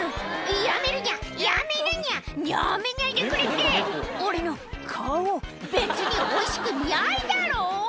やめるにゃ、やめるにゃ、なめないでくれって、俺の顔、別においしくないだろ。